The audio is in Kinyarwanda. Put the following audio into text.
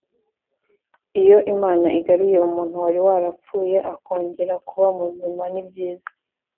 Iyo Imana igaruye umuntu wari warapfuye akongera kuba muzima nibyiza